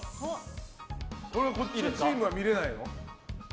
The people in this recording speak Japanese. こっちチームは見れないの？